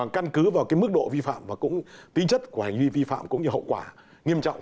căn cứ vào mức độ vi phạm và cũng tính chất của hành vi vi phạm cũng như hậu quả nghiêm trọng